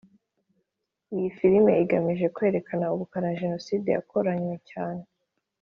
Iyi filimi igamije kwerekana ubukana Jenoside yakoranywe cyane